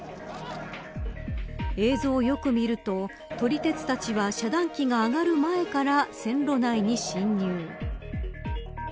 映像をよく見ると、撮り鉄たちは遮断機が上がる前から線路内に侵入。